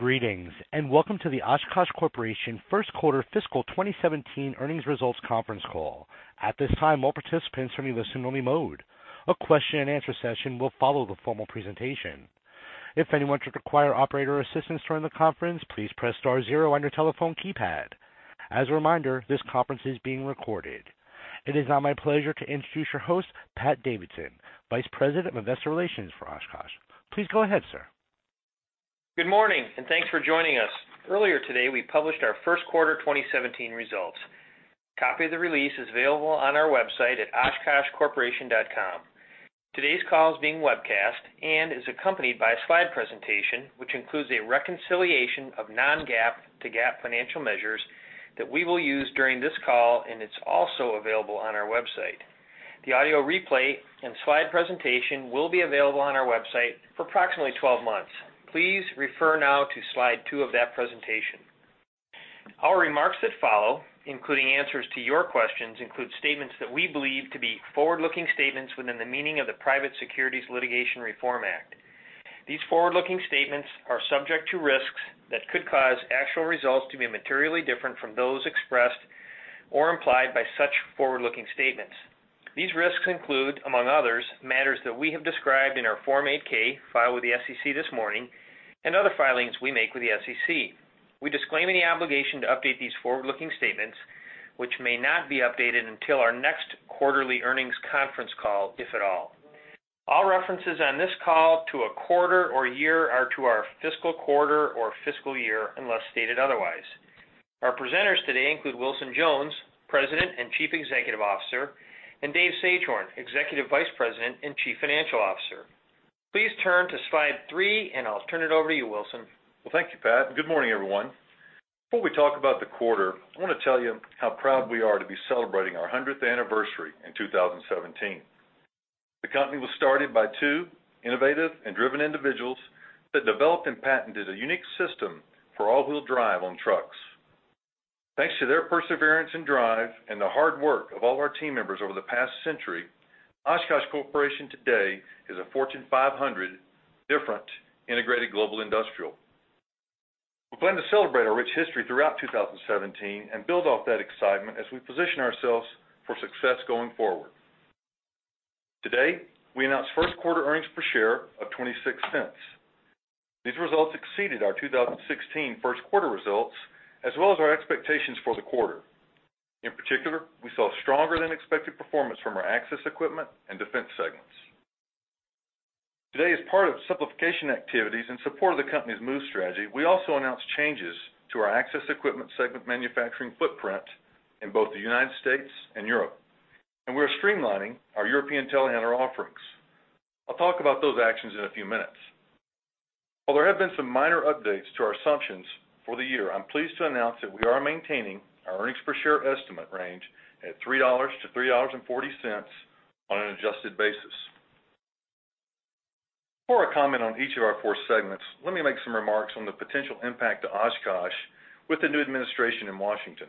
Greetings, and welcome to the Oshkosh Corporation First Quarter Fiscal 2017 Earnings Results Conference Call. At this time, all participants are in the listen-only mode. A question-and-answer session will follow the formal presentation. If anyone should require operator assistance during the conference, please press star zero on your telephone keypad. As a reminder, this conference is being recorded. It is now my pleasure to introduce your host, Pat Davidson, Vice President of Investor Relations for Oshkosh. Please go ahead, sir. Good morning, and thanks for joining us. Earlier today, we published our First Quarter 2017 results. A copy of the release is available on our website at OshkoshCorporation.com. Today's call is being webcast and is accompanied by a slide presentation, which includes a reconciliation of non-GAAP to GAAP financial measures that we will use during this call, and it's also available on our website. The audio replay and slide presentation will be available on our website for approximately 12 months. Please refer now to slide two of that presentation. Our remarks that follow, including answers to your questions, include statements that we believe to be forward-looking statements within the meaning of the Private Securities Litigation Reform Act. These forward-looking statements are subject to risks that could cause actual results to be materially different from those expressed or implied by such forward-looking statements. These risks include, among others, matters that we have described in our Form 8-K filed with the SEC this morning and other filings we make with the SEC. We disclaim any obligation to update these forward-looking statements, which may not be updated until our next quarterly earnings conference call, if at all. All references on this call to a quarter or year are to our fiscal quarter or fiscal year, unless stated otherwise. Our presenters today include Wilson Jones, President and Chief Executive Officer, and Dave Sagehorn, Executive Vice President and Chief Financial Officer. Please turn to slide three, and I'll turn it over to you, Wilson. Well, thank you, Pat. Good morning, everyone. Before we talk about the quarter, I want to tell you how proud we are to be celebrating our 100th anniversary in 2017. The company was started by two innovative and driven individuals that developed and patented a unique system for all-wheel drive on trucks. Thanks to their perseverance and drive and the hard work of all our team members over the past century, Oshkosh Corporation today is a Fortune 500 Defense, integrated global industrial. We plan to celebrate our rich history throughout 2017 and build off that excitement as we position ourselves for success going forward. Today, we announced first quarter earnings per share of $0.26. These results exceeded our 2016 first quarter results, as well as our expectations for the quarter. In particular, we saw stronger than expected performance from our Access equipment and Defense segments. Today, as part of simplification activities in support of the company's MOVE strategy, we also announced changes to our Access equipment segment manufacturing footprint in both the United States and Europe, and we are streamlining our European telehandler offerings. I'll talk about those actions in a few minutes. While there have been some minor updates to our assumptions for the year, I'm pleased to announce that we are maintaining our earnings per share estimate range at $3-$3.40 on an adjusted basis. Before I comment on each of our four segments, let me make some remarks on the potential impact to Oshkosh with the new administration in Washington.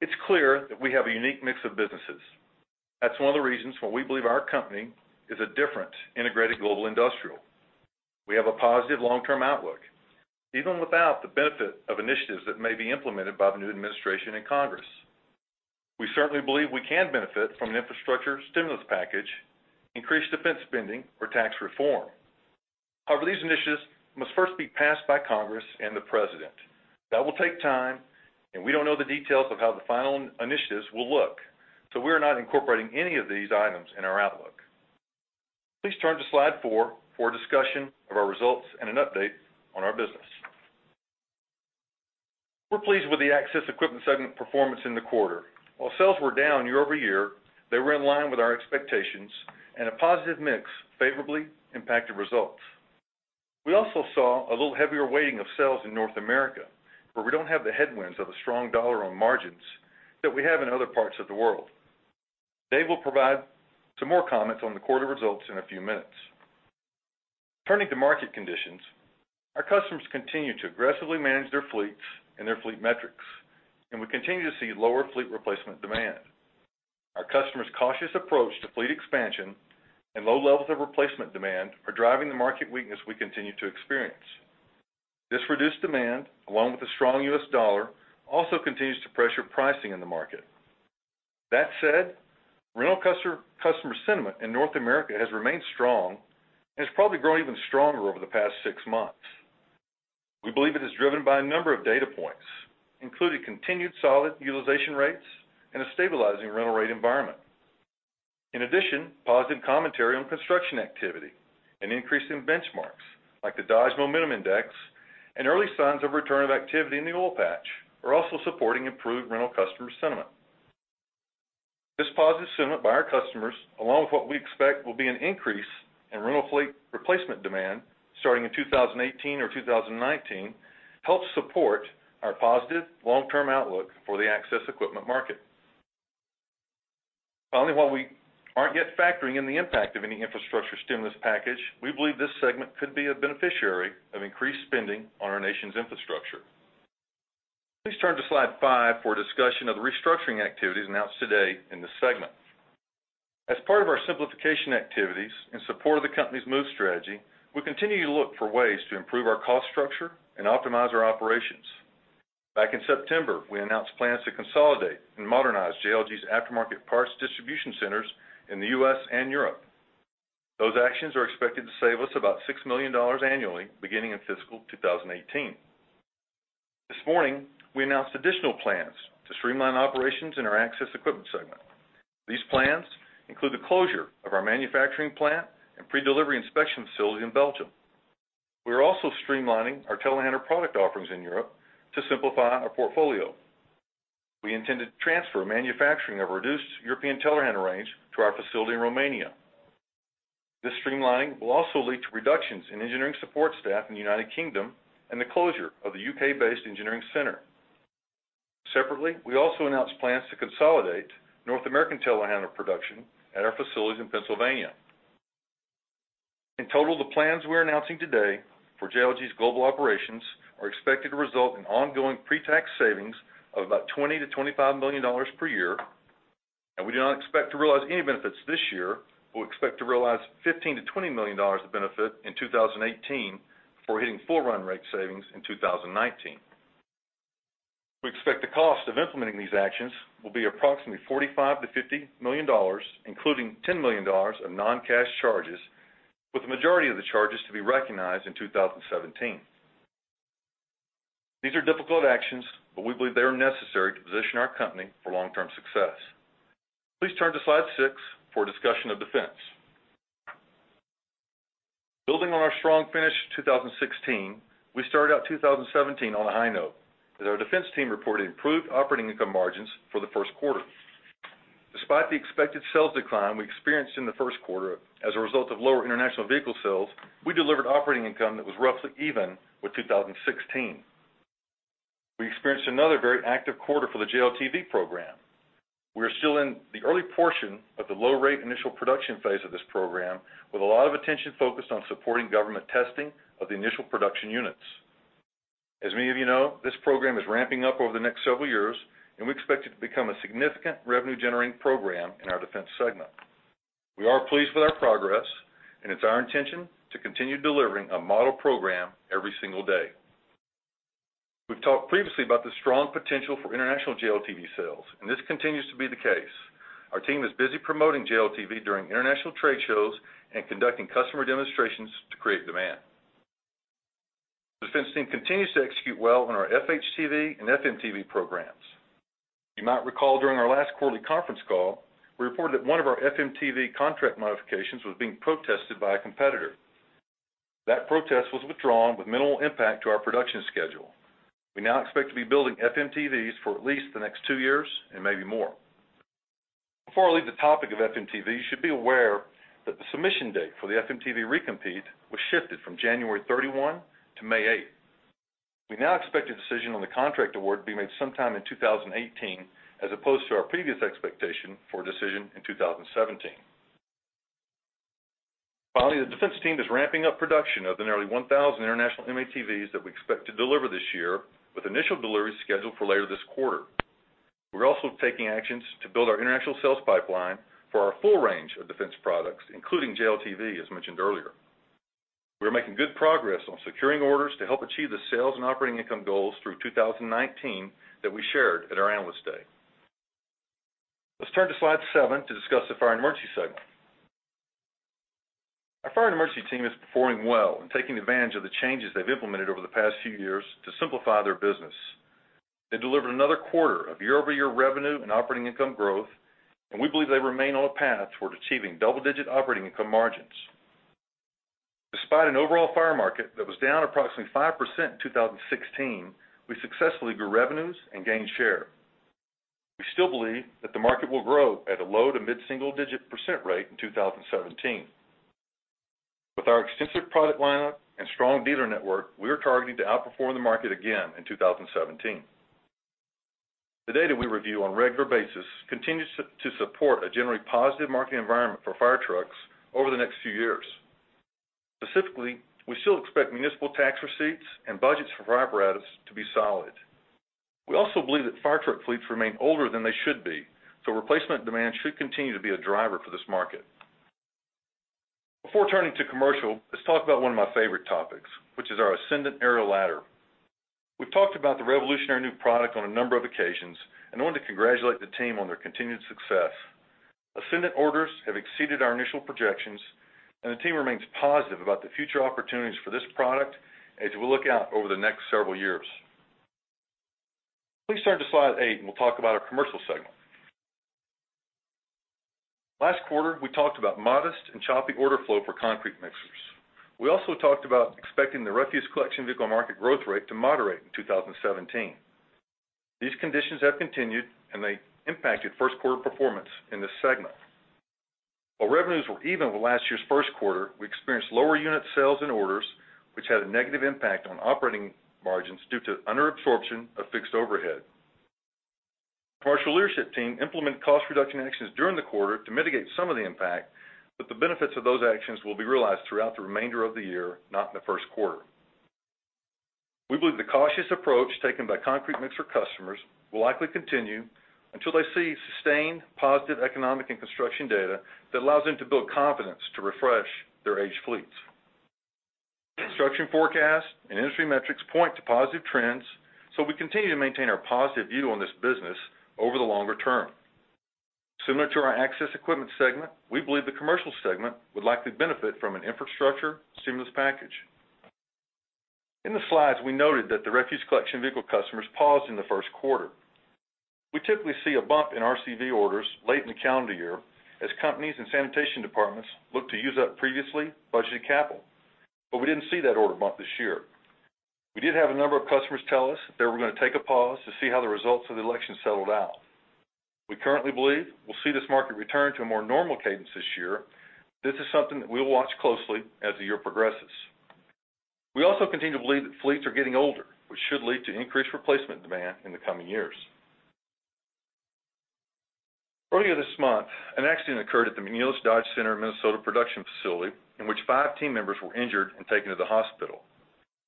It's clear that we have a unique mix of businesses. That's one of the reasons why we believe our company is a different, integrated global industrial. We have a positive long-term outlook, even without the benefit of initiatives that may be implemented by the new administration and Congress. We certainly believe we can benefit from an infrastructure stimulus package, increased Defense spending, or tax reform. However, these initiatives must first be passed by Congress and the President. That will take time, and we don't know the details of how the final initiatives will look, so we are not incorporating any of these items in our outlook. Please turn to slide four for a discussion of our results and an update on our business. We're pleased with the Access Equipment segment performance in the quarter. While sales were down year-over-year, they were in line with our expectations, and a positive mix favorably impacted results. We also saw a little heavier weighting of sales in North America, where we don't have the headwinds of a strong dollar on margins that we have in other parts of the world. Dave will provide some more comments on the quarter results in a few minutes. Turning to market conditions, our customers continue to aggressively manage their fleets and their fleet metrics, and we continue to see lower fleet replacement demand. Our customers' cautious approach to fleet expansion and low levels of replacement demand are driving the market weakness we continue to experience. This reduced demand, along with a strong U.S. dollar, also continues to pressure pricing in the market. That said, rental customer sentiment in North America has remained strong and has probably grown even stronger over the past six months. We believe it is driven by a number of data points, including continued solid utilization rates and a stabilizing rental rate environment. In addition, positive commentary on construction activity and increasing benchmarks like the Dodge Momentum Index and early signs of return of activity in the oil patch are also supporting improved rental customer sentiment. This positive sentiment by our customers, along with what we expect will be an increase in rental fleet replacement demand starting in 2018 or 2019, helps support our positive long-term outlook for the Access Equipment market. Finally, while we aren't yet factoring in the impact of any infrastructure stimulus package, we believe this segment could be a beneficiary of increased spending on our nation's infrastructure. Please turn to slide five for a discussion of the restructuring activities announced today in this segment. As part of our simplification activities in support of the company's move strategy, we continue to look for ways to improve our cost structure and optimize our operations. Back in September, we announced plans to consolidate and modernize JLG's aftermarket parts distribution centers in the U.S. and Europe. Those actions are expected to save us about $6 million annually beginning in fiscal 2018. This morning, we announced additional plans to streamline operations in our Access Equipment segment. These plans include the closure of our manufacturing plant and pre-delivery inspection facility in Belgium. We are also streamlining our telehandler product offerings in Europe to simplify our portfolio. We intend to transfer manufacturing of a reduced European telehandler range to our facility in Romania. This streamlining will also lead to reductions in engineering support staff in the United Kingdom and the closure of the U.K.-based engineering center. Separately, we also announced plans to consolidate North American telehandler production at our facilities in Pennsylvania. In total, the plans we are announcing today for JLG's global operations are expected to result in ongoing pre-tax savings of about $20 million-$25 million per year, and we do not expect to realize any benefits this year, but we expect to realize $15 million-$20 million of benefit in 2018 before hitting full run rate savings in 2019. We expect the cost of implementing these actions will be approximately $45 million-$50 million, including $10 million of non-cash charges, with the majority of the charges to be recognized in 2017. These are difficult actions, but we believe they are necessary to position our company for long-term success. Please turn to slide six for a discussion of Defense. Building on our strong finish in 2016, we started out 2017 on a high note as our Defense team reported improved operating income margins for the first quarter. Despite the expected sales decline we experienced in the first quarter as a result of lower international vehicle sales, we delivered operating income that was roughly even with 2016. We experienced another very active quarter for the JLTV program. We are still in the early portion of the low-rate initial production phase of this program, with a lot of attention focused on supporting government testing of the initial production units. As many of you know, this program is ramping up over the next several years, and we expect it to become a significant revenue-generating program in our Defense segment. We are pleased with our progress, and it's our intention to continue delivering a model program every single day. We've talked previously about the strong potential for international JLTV sales, and this continues to be the case. Our team is busy promoting JLTV during international trade shows and conducting customer demonstrations to create demand. The Defense team continues to execute well on our FHTV and FMTV programs. You might recall during our last quarterly conference call, we reported that one of our FMTV contract modifications was being protested by a competitor. That protest was withdrawn with minimal impact to our production schedule. We now expect to be building FMTVs for at least the next two years and maybe more. Before I leave the topic of FMTV, you should be aware that the submission date for the FMTV recompete was shifted from January 31 to May 8. We now expect a decision on the contract award to be made sometime in 2018, as opposed to our previous expectation for a decision in 2017. Finally, the Defense team is ramping up production of the nearly 1,000 international M-ATVs that we expect to deliver this year, with initial deliveries scheduled for later this quarter. We're also taking actions to build our international sales pipeline for our full range of Defense products, including JLTV, as mentioned earlier. We are making good progress on securing orders to help achieve the sales and operating income goals through 2019 that we shared at our analyst day. Let's turn to slide seven to discuss the Fire and Emergency segment. Our Fire and Emergency team is performing well and taking advantage of the changes they've implemented over the past few years to simplify their business. They delivered another quarter of year-over-year revenue and operating income growth, and we believe they remain on a path toward achieving double-digit operating income margins. Despite an overall fire market that was down approximately 5% in 2016, we successfully grew revenues and gained share. We still believe that the market will grow at a low- to mid-single-digit percent rate in 2017. With our extensive product lineup and strong dealer network, we are targeting to outperform the market again in 2017. The data we review on a regular basis continues to support a generally positive market environment for fire trucks over the next few years. Specifically, we still expect municipal tax receipts and budgets for fire apparatus to be solid. We also believe that fire truck fleets remain older than they should be, so replacement demand should continue to be a driver for this market. Before turning to Commercial, let's talk about one of my favorite topics, which is our Ascendant Aerial Ladder. We've talked about the revolutionary new product on a number of occasions and wanted to congratulate the team on their continued success. Ascendant orders have exceeded our initial projections, and the team remains positive about the future opportunities for this product as we look out over the next several years. Please turn to slide 8, and we'll talk about our Commercial segment. Last quarter, we talked about modest and choppy order flow for concrete mixers. We also talked about expecting the refuse collection vehicle market growth rate to moderate in 2017. These conditions have continued, and they impacted first quarter performance in this segment. While revenues were even with last year's first quarter, we experienced lower unit sales and orders, which had a negative impact on operating margins due to under-absorption of fixed overhead. The Commercial leadership team implemented cost-reduction actions during the quarter to mitigate some of the impact, but the benefits of those actions will be realized throughout the remainder of the year, not in the first quarter. We believe the cautious approach taken by concrete mixer customers will likely continue until they see sustained positive economic and construction data that allows them to build confidence to refresh their aged fleets. Construction forecasts and industry metrics point to positive trends, so we continue to maintain our positive view on this business over the longer term. Similar to our Access Equipment segment, we believe the Commercial segment would likely benefit from an infrastructure stimulus package. In the slides, we noted that the refuse collection vehicle customers paused in the first quarter. We typically see a bump in RCV orders late in the calendar year as companies and sanitation departments look to use up previously budgeted capital, but we didn't see that order bump this year. We did have a number of customers tell us they were going to take a pause to see how the results of the election settled out. We currently believe we'll see this market return to a more normal cadence this year. This is something that we will watch closely as the year progresses. We also continue to believe that fleets are getting older, which should lead to increased replacement demand in the coming years. Earlier this month, an accident occurred at the McNeilus Dodge Center, Minnesota, production facility, in which five team members were injured and taken to the hospital.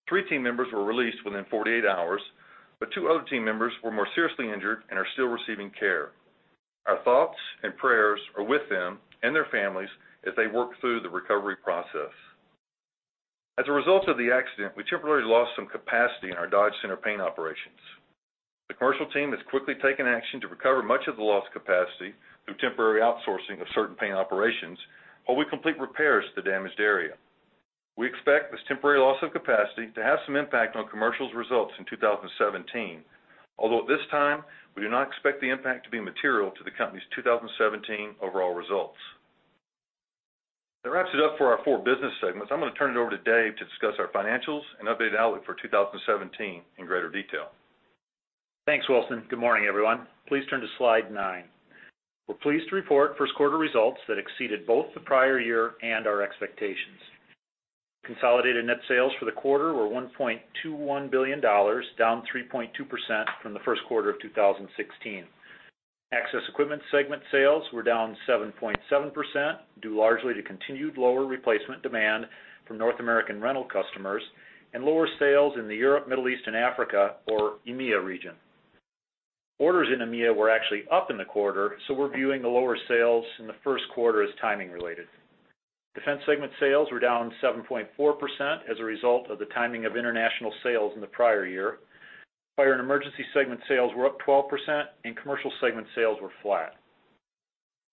Three team members were released within 48 hours, but two other team members were more seriously injured and are still receiving care. Our thoughts and prayers are with them and their families as they work through the recovery process. As a result of the accident, we temporarily lost some capacity in our Dodge Center paint operations. The Commercial team has quickly taken action to recover much of the lost capacity through temporary outsourcing of certain paint operations, while we complete repairs to the damaged area. We expect this temporary loss of capacity to have some impact on Commercial's results in 2017, although at this time, we do not expect the impact to be material to the company's 2017 overall results. That wraps it up for our four business segments. I'm going to turn it over to Dave to discuss our financials and updated outlook for 2017 in greater detail. Thanks, Wilson. Good morning, everyone. Please turn to slide nine. We're pleased to report first quarter results that exceeded both the prior year and our expectations. Consolidated net sales for the quarter were $1.21 billion, down 3.2% from the first quarter of 2016. Access equipment segment sales were down 7.7%, due largely to continued lower replacement demand from North American rental customers and lower sales in the Europe, Middle East, and Africa, or EMEA region. Orders in EMEA were actually up in the quarter, so we're viewing the lower sales in the first quarter as timing-related. Defense segment sales were down 7.4% as a result of the timing of international sales in the prior year. Fire and emergency segment sales were up 12%, and Commercial segment sales were flat.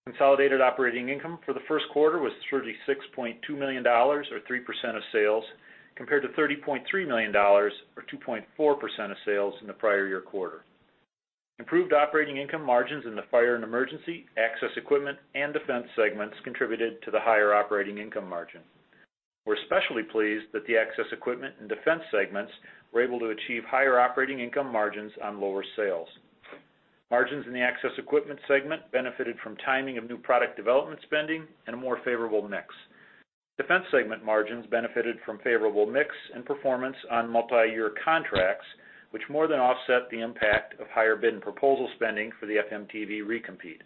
Consolidated operating income for the first quarter was $36.2 million, or 3% of sales, compared to $30.3 million, or 2.4% of sales, in the prior year quarter. Improved operating income margins in the fire and emergency, access equipment, and Defense segments contributed to the higher operating income margin. We're especially pleased that the access equipment and Defense segments were able to achieve higher operating income margins on lower sales. Margins in the access equipment segment benefited from timing of new product development spending and a more favorable mix. Defense segment margins benefited from favorable mix and performance on multi-year contracts, which more than offset the impact of higher bid and proposal spending for the FMTV recompete.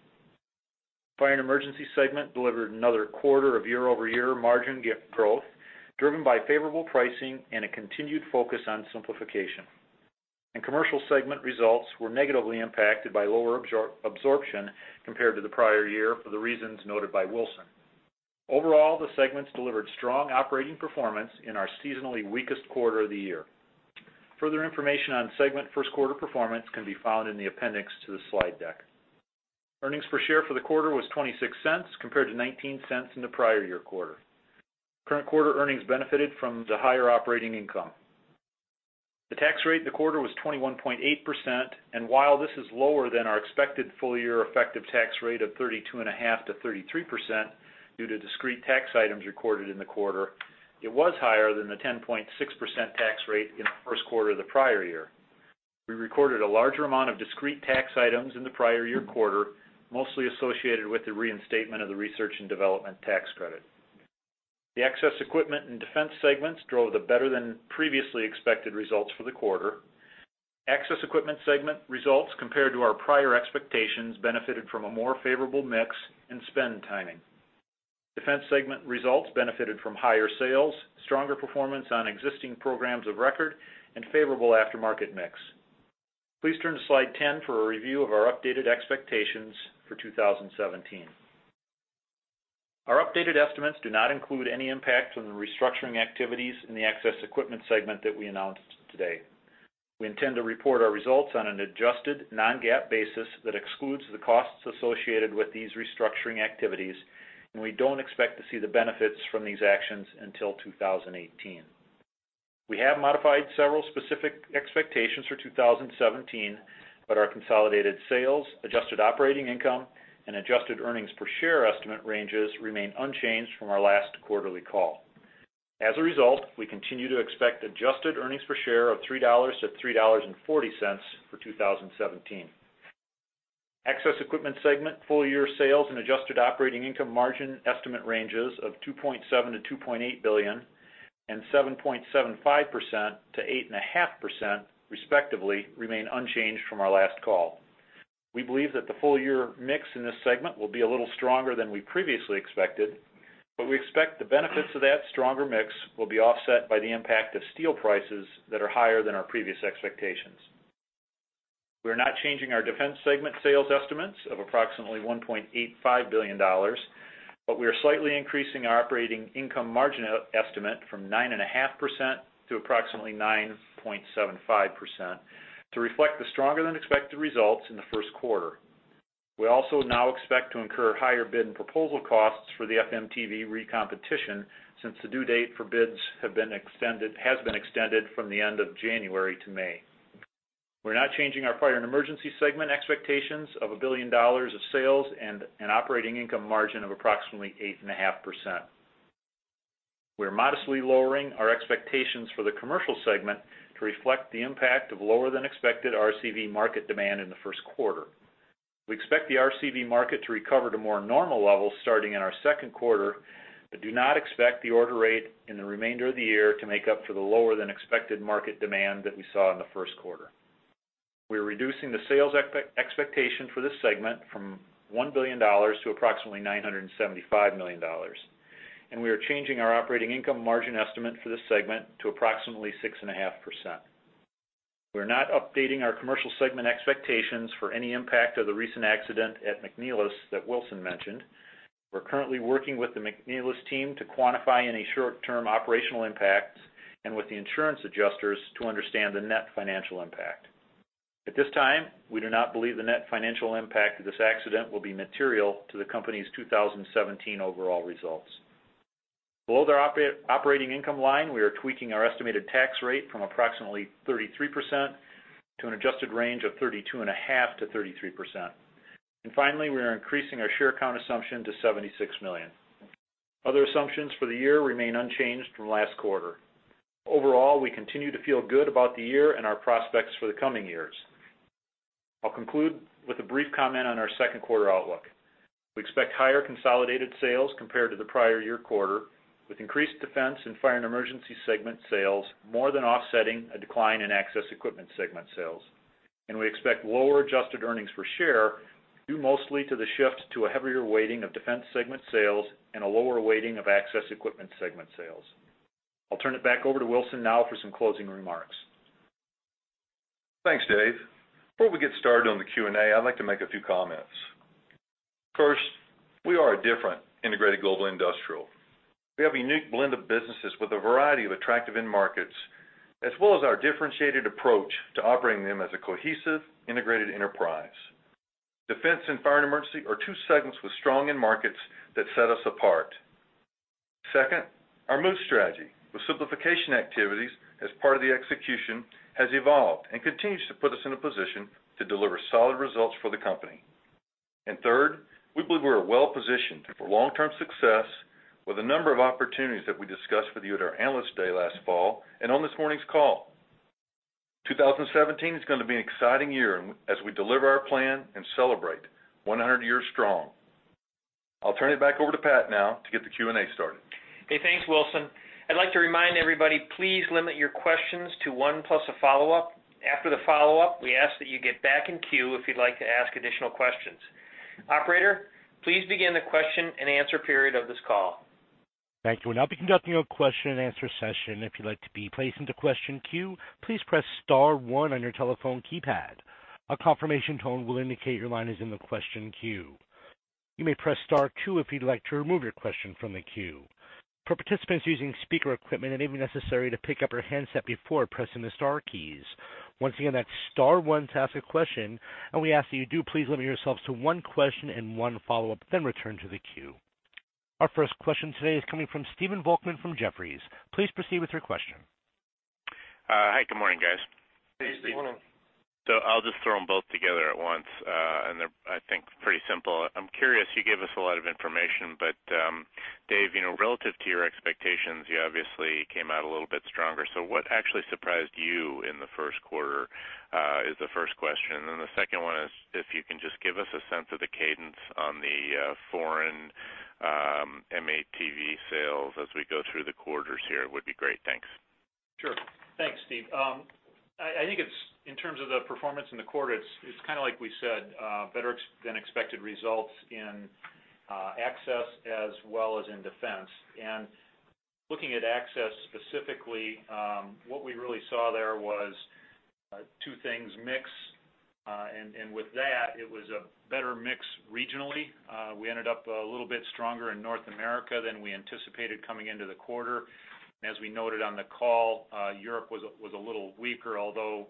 Fire and emergency segment delivered another quarter of year-over-year margin growth, driven by favorable pricing and a continued focus on simplification. Commercial segment results were negatively impacted by lower absorption compared to the prior year for the reasons noted by Wilson. Overall, the segments delivered strong operating performance in our seasonally weakest quarter of the year. Further information on segment first quarter performance can be found in the appendix to the slide deck. Earnings per share for the quarter was $0.26, compared to $0.19 in the prior year quarter. Current quarter earnings benefited from the higher operating income. The tax rate in the quarter was 21.8%, and while this is lower than our expected full-year effective tax rate of 32.5%-33% due to discrete tax items recorded in the quarter, it was higher than the 10.6% tax rate in the first quarter of the prior year. We recorded a larger amount of discrete tax items in the prior year quarter, mostly associated with the reinstatement of the research and development tax credit. The access equipment and Defense segments drove the better-than-previously expected results for the quarter. Access equipment segment results, compared to our prior expectations, benefited from a more favorable mix and spend timing. Defense segment results benefited from higher sales, stronger performance on existing programs of record, and favorable aftermarket mix. Please turn to slide 10 for a review of our updated expectations for 2017. Our updated estimates do not include any impact on the restructuring activities in the access equipment segment that we announced today. We intend to report our results on an adjusted Non-GAAP basis that excludes the costs associated with these restructuring activities, and we don't expect to see the benefits from these actions until 2018. We have modified several specific expectations for 2017, but our consolidated sales, adjusted operating income, and adjusted earnings per share estimate ranges remain unchanged from our last quarterly call. As a result, we continue to expect adjusted earnings per share of $3-$3.40 for 2017. Access equipment segment full-year sales and adjusted operating income margin estimate ranges of $2.7 billion-$2.8 billion and 7.75%-8.5%, respectively, remain unchanged from our last call. We believe that the full-year mix in this segment will be a little stronger than we previously expected, but we expect the benefits of that stronger mix will be offset by the impact of steel prices that are higher than our previous expectations. We are not changing our Defense segment sales estimates of approximately $1.85 billion, but we are slightly increasing our operating income margin estimate from 9.5% to approximately 9.75% to reflect the stronger-than-expected results in the first quarter. We also now expect to incur higher bid and proposal costs for the FMTV recompetition since the due date for bids has been extended from the end of January to May. We're not changing our fire and emergency segment expectations of $1 billion of sales and an operating income margin of approximately 8.5%. We're modestly lowering our expectations for the Commercial segment to reflect the impact of lower-than-expected RCV market demand in the first quarter. We expect the RCV market to recover to more normal levels starting in our second quarter, but do not expect the order rate in the remainder of the year to make up for the lower-than-expected market demand that we saw in the first quarter. We're reducing the sales expectation for this segment from $1 billion to approximately $975 million, and we are changing our operating income margin estimate for this segment to approximately 6.5%. We're not updating our Commercial segment expectations for any impact of the recent accident at McNeilus that Wilson mentioned. We're currently working with the McNeilus team to quantify any short-term operational impacts and with the insurance adjusters to understand the net financial impact. At this time, we do not believe the net financial impact of this accident will be material to the company's 2017 overall results. Below the operating income line, we are tweaking our estimated tax rate from approximately 33% to an adjusted range of 32.5%-33%. And finally, we are increasing our share count assumption to $76 million. Other assumptions for the year remain unchanged from last quarter. Overall, we continue to feel good about the year and our prospects for the coming years. I'll conclude with a brief comment on our second quarter outlook. We expect higher consolidated sales compared to the prior year quarter, with increased Defense and fire and emergency segment sales more than offsetting a decline in access equipment segment sales. And we expect lower adjusted earnings per share, due mostly to the shift to a heavier weighting of Defense segment sales and a lower weighting of access equipment segment sales. I'll turn it back over to Wilson now for some closing remarks. Thanks, Dave. Before we get started on the Q&A, I'd like to make a few comments. First, we are a different integrated global industrial. We have a unique blend of businesses with a variety of attractive end markets, as well as our differentiated approach to operating them as a cohesive integrated enterprise. Defense and fire and emergency are two segments with strong end markets that set us apart. Second, our move strategy with simplification activities as part of the execution has evolved and continues to put us in a position to deliver solid results for the company. And third, we believe we're well positioned for long-term success with a number of opportunities that we discussed with you at our analyst day last fall and on this morning's call. 2017 is going to be an exciting year as we deliver our plan and celebrate 100 years strong. I'll turn it back over to Pat now to get the Q&A started. Hey, thanks, Wilson. I'd like to remind everybody, please limit your questions to one plus a follow-up. After the follow-up, we ask that you get back in queue if you'd like to ask additional questions. Operator, please begin the question and answer period of this call. Thank you. I'll be conducting a question and answer session. If you'd like to be placed into question queue, please press star one on your telephone keypad. A confirmation tone will indicate your line is in the question queue. You may press star two if you'd like to remove your question from the queue. For participants using speaker equipment, it may be necessary to pick up or hands up before pressing the star keys. Once again, that's star one to ask a question, and we ask that you do please limit yourselves to one question and one follow-up, then return to the queue. Our first question today is coming from Stephen Volkmann from Jefferies. Please proceed with your question. Hi, good morning, guys. So, I'll just throw them both together at once, and there, I think, pretty simple. I'm curious. You gave us a lot of information, but Dave, relative to your expectations, you obviously came out a little bit stronger. So, what actually surprised you in the first quarter is the first question. And then the second one is if you can just give us a sense of the cadence on the foreign M-ATV sales as we go through the quarters here. It would be great. Thanks. Sure. Thanks, Steve. I think, in terms of the performance in the quarter, it's kind of like we said, better-than-expected results in access as well as in Defense. Looking at access specifically, what we really saw there was two things: mix. With that, it was a better mix regionally. We ended up a little bit stronger in North America than we anticipated coming into the quarter. As we noted on the call, Europe was a little weaker, although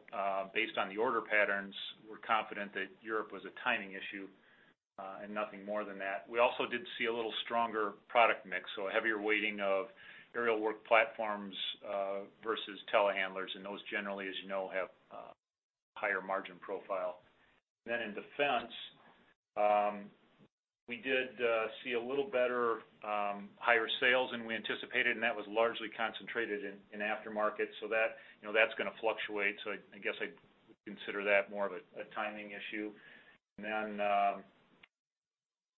based on the order patterns, we're confident that Europe was a timing issue and nothing more than that. We also did see a little stronger product mix, so a heavier weighting of aerial work platforms versus telehandlers. Those, generally, as you know, have a higher margin profile. Then in Defense, we did see a little better higher sales than we anticipated, and that was largely concentrated in aftermarket. So, that's going to fluctuate. So, I guess, I would consider that more of a timing issue. And then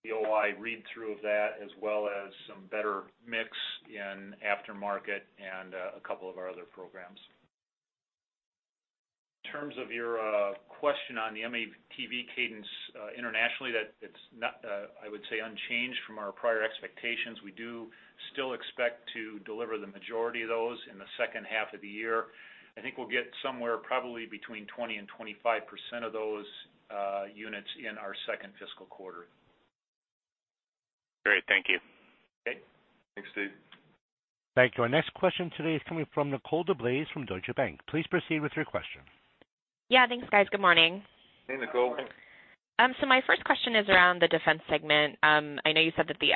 the OI read-through of that, as well as some better mix in aftermarket and a couple of our other programs. In terms of your question on the M-ATV cadence internationally, that it's, I would say, unchanged from our prior expectations. We do still expect to deliver the majority of those in the second half of the year. I think we'll get somewhere probably between 20%-25% of those units in our second fiscal quarter. Great. Thank you. Okay. Thanks, Steve. Thank you. Our next question today is coming from Nicole DeBlase from Deutsche Bank. Please proceed with your question. Yeah. Thanks, guys. Good morning. So, my first question is around the Defense segment. I know you said that the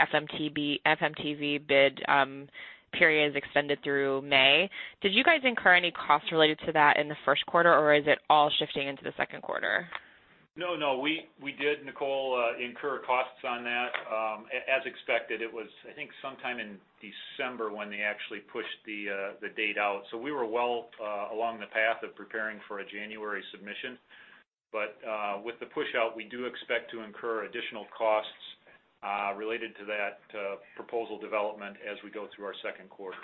FMTV bid period has extended through May. Did you guys incur any costs related to that in the first quarter, or is it all shifting into the second quarter? No. We did, Nicole, incur costs on that. As expected, it was, I think, sometime in December when they actually pushed the date out. So, we were well along the path of preparing for a January submission. But with the push-out, we do expect to incur additional costs related to that proposal development as we go through our second quarter.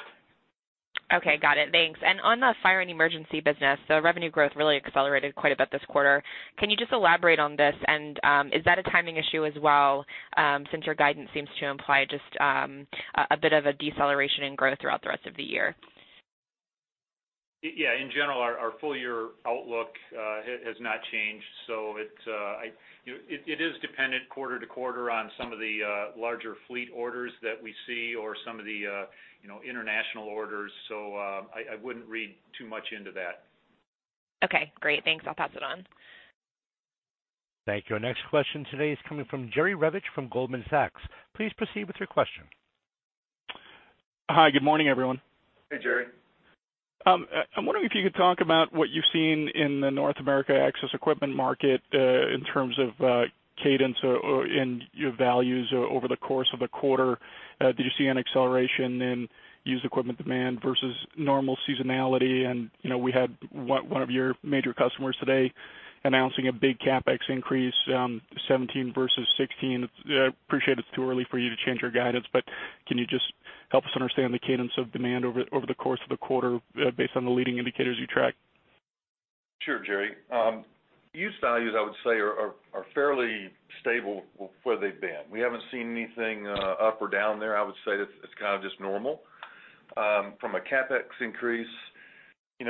Okay. Got it. Thanks. And on the fire and emergency business, the revenue growth really accelerated quite a bit this quarter. Can you just elaborate on this? And is that a timing issue as well, since your guidance seems to imply just a bit of a deceleration in growth throughout the rest of the year? Yeah. In general, our full-year outlook has not changed. So, it is dependent quarter-to-quarter on some of the larger fleet orders that we see or some of the international orders. So, I wouldn't read too much into that. Okay. Great. Thanks. I'll pass it on. Thank you. Our next question today is coming from Jerry Revich from Goldman Sachs. Please proceed with your question. Hi. Good morning, everyone. Hey, Jerry. I'm wondering if you could talk about what you've seen in the North America access equipment market in terms of cadence and your values over the course of the quarter. Did you see an acceleration in used equipment demand versus normal seasonality? And we had one of your major customers today announcing a big CapEx increase, 17 versus 16. I appreciate it's too early for you to change your guidance, but can you just help us understand the cadence of demand over the course of the quarter based on the leading indicators you track? Sure, Jerry. Used values, I would say, are fairly stable where they've been. We haven't seen anything up or down there. I would say it's kind of just normal. From a CapEx increase,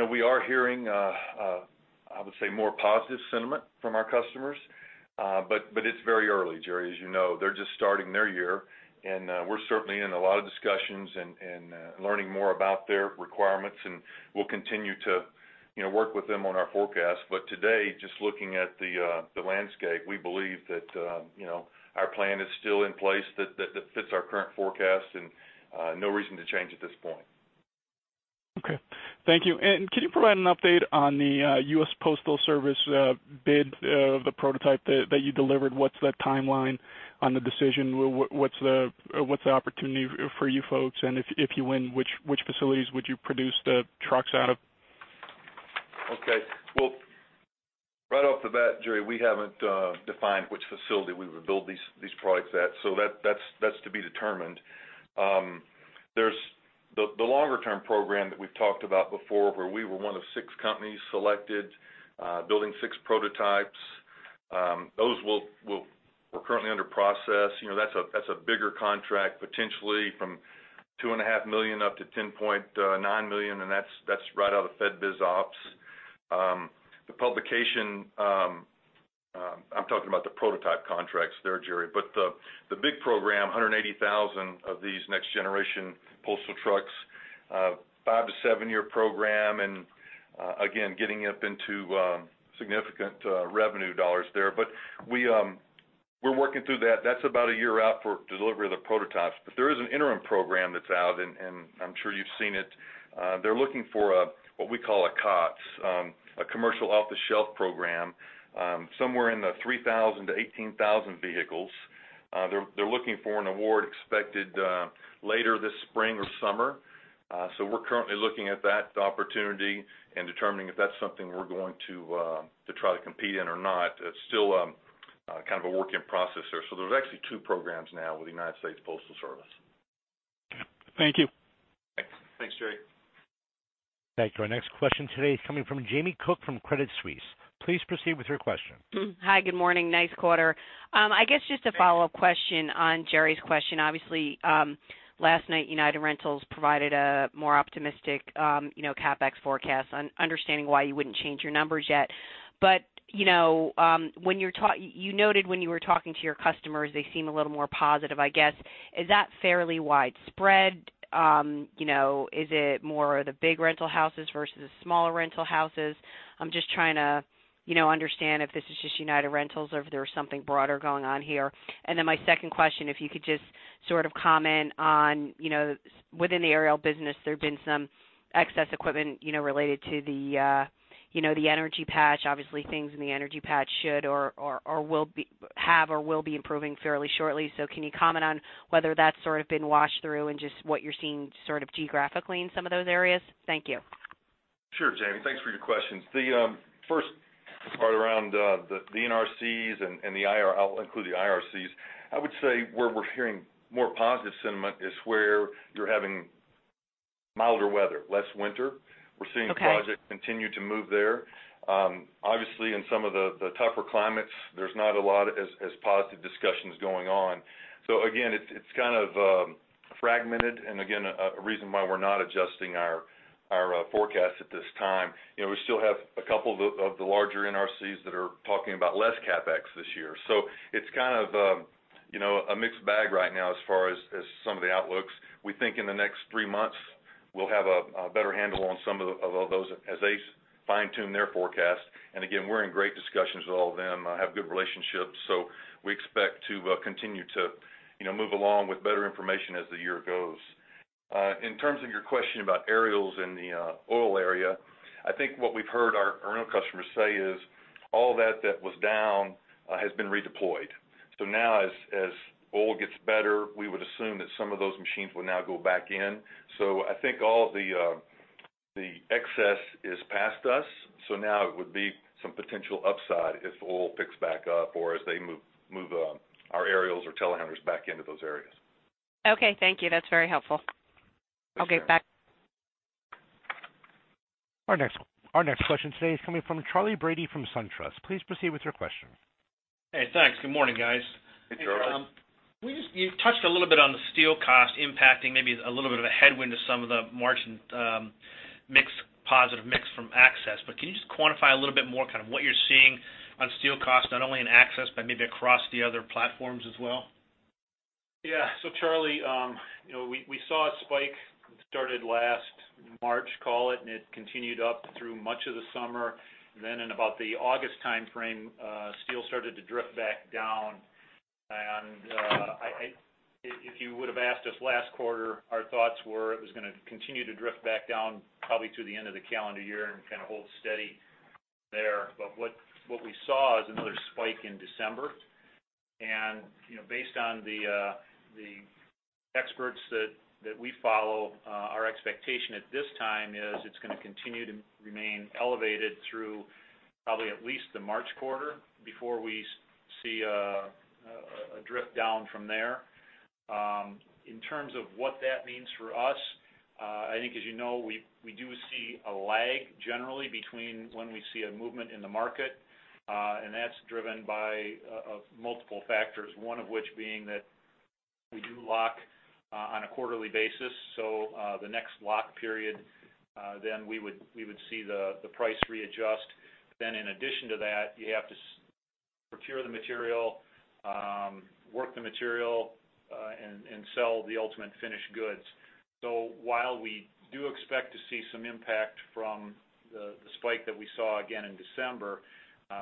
we are hearing, I would say, more positive sentiment from our customers. But it's very early, Jerry, as you know. They're just starting their year, and we're certainly in a lot of discussions and learning more about their requirements. And we'll continue to work with them on our forecast. But today, just looking at the landscape, we believe that our plan is still in place that fits our current forecast and no reason to change at this point. Okay. Thank you. And can you provide an update on the U.S. Postal Service bid of the prototype that you delivered? What's the timeline on the decision? What's the opportunity for you folks? And if you win, which facilities would you produce the trucks out of? Okay. Well, right off the bat, Jerry, we haven't defined which facility we would build these products at. So, that's to be determined. There's the longer-term program that we've talked about before where we were one of 6 companies selected, building 6 prototypes. Those are currently under process. That's a bigger contract, potentially, from $2.5 million-$10.9 million, and that's right out of the FedBizOpps. The publication, I'm talking about the prototype contracts there, Jerry. But the big program, 180,000 of these next-generation postal trucks, 5-year to 7-year program, and again, getting up into significant revenue dollars there. But we're working through that. That's about a year out for delivery of the prototypes. But there is an interim program that's out, and I'm sure you've seen it. They're looking for what we call a COTS, a Commercial off-the-shelf program, somewhere in the 3,000-18,000 vehicles. They're looking for an award expected later this spring or summer. So, we're currently looking at that opportunity and determining if that's something we're going to try to compete in or not. It's still kind of a work in process there. So, there's actually two programs now with the United States Postal Service. Thank you. Thanks, Jerry. Thank you. Our next question today is coming from Jamie Cook from Credit Suisse. Please proceed with your question. Hi. Good morning. Nice quarter. I guess just a follow-up question on Jerry's question. Obviously, last night, United Rentals provided a more optimistic CapEx forecast, understanding why you wouldn't change your numbers yet. But when you're talking, you noted when you were talking to your customers, they seem a little more positive, I guess. Is that fairly widespread? Is it more of the big rental houses versus the smaller rental houses? I'm just trying to understand if this is just United Rentals or if there's something broader going on here. And then my second question, if you could just sort of comment on, within the aerial business, there have been some access equipment related to the energy patch. Obviously, things in the energy patch should or will have or will be improving fairly shortly. So, can you comment on whether that's sort of been washed through and just what you're seeing sort of geographically in some of those areas? Thank you. Sure, Jamie. Thanks for your questions. The first part around the NRCs and the IR, I'll include the IRCs. I would say where we're hearing more positive sentiment is where you're having milder weather, less winter. We're seeing projects continue to move there. Obviously, in some of the tougher climates, there's not a lot of as positive discussions going on. So, again, it's kind of fragmented. Again, a reason why we're not adjusting our forecast at this time. We still have a couple of the larger NRCs that are talking about less CapEx this year. So, it's kind of a mixed bag right now as far as some of the outlooks. We think in the next three months, we'll have a better handle on some of those as they fine-tune their forecast. Again, we're in great discussions with all of them. I have good relationships. So, we expect to continue to move along with better information as the year goes. In terms of your question about aerials and the oil area, I think what we've heard our real customers say is all that that was down has been redeployed. So, now, as oil gets better, we would assume that some of those machines will now go back in. So, I think all the excess is past us. So, now it would be some potential upside if oil picks back up or as they move our aerials or telehandlers back into those areas. Okay. Thank you. That's very helpful. I'll get back. Our next question today is coming from Charlie Brady from SunTrust. Please proceed with your question. Hey, thanks. Good morning, guys. Hey, Charlie. You touched a little bit on the steel cost impacting maybe a little bit of a headwind to some of the mixed positive mix from access. But can you just quantify a little bit more kind of what you're seeing on steel cost, not only in access, but maybe across the other platforms as well? Yeah. So, Charlie, we saw a spike that started last March, call it, and it continued up through much of the summer. Then in about the August timeframe, steel started to drift back down. And if you would have asked us last quarter, our thoughts were it was going to continue to drift back down probably to the end of the calendar year and kind of hold steady there. But what we saw is another spike in December. Based on the experts that we follow, our expectation at this time is it's going to continue to remain elevated through probably at least the March quarter before we see a drift down from there. In terms of what that means for us, I think, as you know, we do see a lag generally between when we see a movement in the market. That's driven by multiple factors, one of which being that we do lock on a quarterly basis. The next lock period, then we would see the price readjust. In addition to that, you have to procure the material, work the material, and sell the ultimate finished goods. While we do expect to see some impact from the spike that we saw again in December,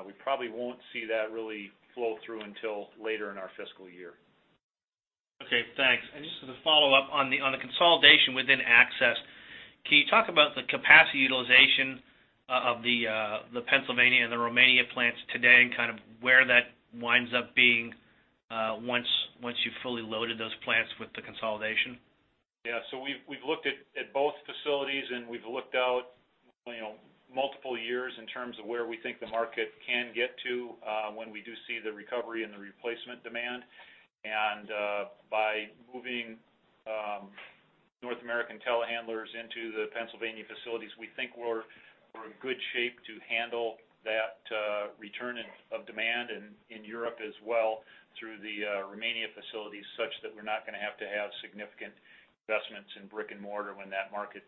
we probably won't see that really flow through until later in our fiscal year. Okay. Thanks. Just as a follow-up on the consolidation within access, can you talk about the capacity utilization of the Pennsylvania and the Romania plants today and kind of where that winds up being once you've fully loaded those plants with the consolidation? Yeah. So, we've looked at both facilities, and we've looked out multiple years in terms of where we think the market can get to when we do see the recovery and the replacement demand. And by moving North American telehandlers into the Pennsylvania facilities, we think we're in good shape to handle that return of demand in Europe as well through the Romania facilities such that we're not going to have to have significant investments in brick and mortar when that market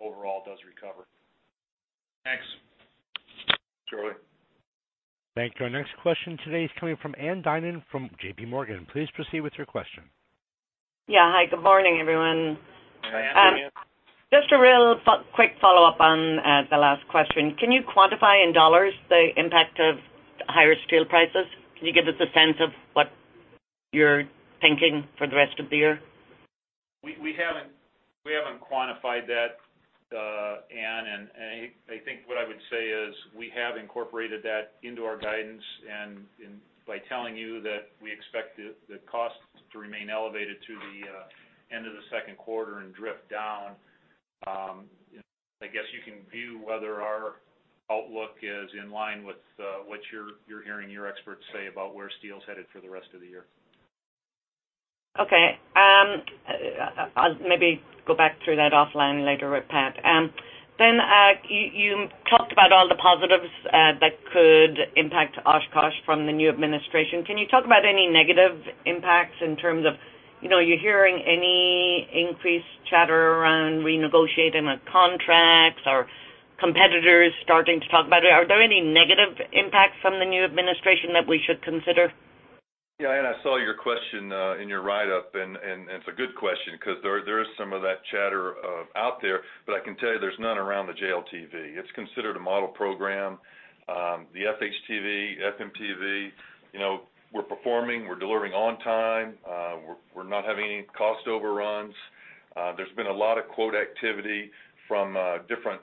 overall does recover. Thanks, Charlie. Thank you. Our next question today is coming from Ann Duignan from J.P. Morgan. Please proceed with your question. Yeah. Hi. Good morning, everyone. Hi, Ann. How are you? Just a real quick follow-up on the last question. Can you quantify in dollars the impact of higher steel prices? Can you give us a sense of what you're thinking for the rest of the year? We haven't quantified that, Ann. And I think, what I would say is, we have incorporated that into our guidance. And by telling you that, we expect the costs to remain elevated through the end of the second quarter and drift down, I guess you can view whether our outlook is in line with what you're hearing your experts say about where steel's headed for the rest of the year. Okay. I'll maybe go back through that offline later with Pat. Then you talked about all the positives that could impact Oshkosh from the new administration. Can you talk about any negative impacts in terms of you're hearing any increased chatter around renegotiating a contract or competitors starting to talk about it? Are there any negative impacts from the new administration that we should consider? Yeah. And I saw your question in your write-up, and it's a good question because there is some of that chatter out there. But I can tell you there's none around the JLTV. It's considered a model program. The FHTV, FMTV, we're performing. We're delivering on time. We're not having any cost overruns. There's been a lot of quote activity from different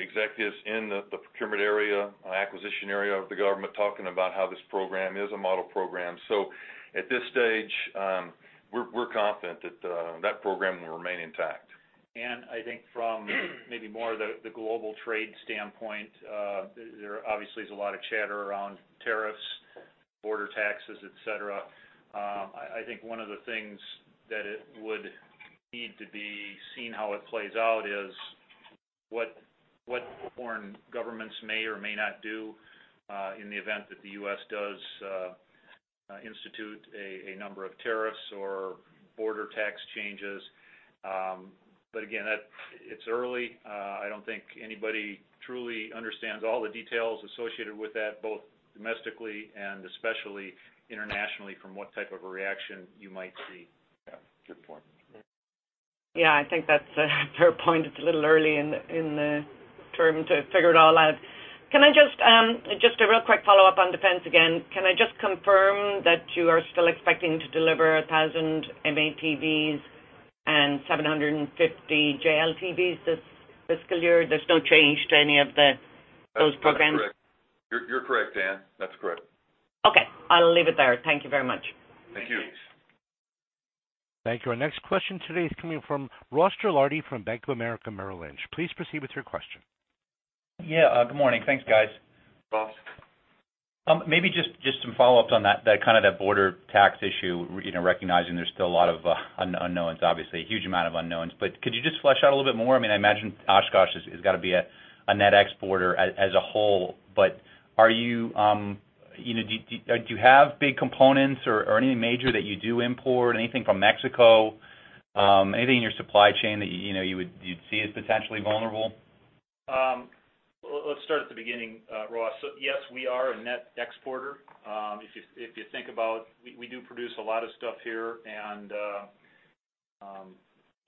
executives in the procurement area, acquisition area of the government talking about how this program is a model program. So, at this stage, we're confident that that program will remain intact. And I think, from maybe more of the global trade standpoint, there obviously is a lot of chatter around tariffs, border taxes, etc. I think one of the things that it would need to be seen how it plays out is what foreign governments may or may not do in the event that the U.S. does institute a number of tariffs or border tax changes. But again, it's early. I don't think anybody truly understands all the details associated with that, both domestically and especially internationally, from what type of a reaction you might see. Yeah. Good point. Yeah. I think that's a fair point. It's a little early in the term to figure it all out. Just a real quick follow-up on Defense again. Can I just confirm that you are still expecting to deliver 1,000 M-ATVs and 750 JLTVs this fiscal year? There's no change to any of those programs? That's correct. You're correct, Ann. That's correct. Okay. I'll leave it there. Thank you very much. Thank you. Thanks. Thank you. Our next question today is coming from Ross Gilardi from Bank of America Merrill Lynch. Please proceed with your question. Yeah. Good morning. Thanks, guys. Ross. Maybe just some follow-ups on kind of that border tax issue, recognizing there's still a lot of unknowns, obviously, a huge amount of unknowns. But could you just flesh out a little bit more? I mean, I imagine Oshkosh has got to be a net exporter as a whole. But do you have big components or anything major that you do import, anything from Mexico, anything in your supply chain that you would see as potentially vulnerable? Let's start at the beginning, Ross. Yes, we are a net exporter. If you think about it, we do produce a lot of stuff here and